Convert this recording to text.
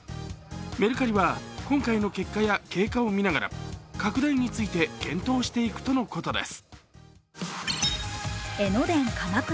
メルカリは今回の結果や経過をみながら拡大について検討していくとのことです。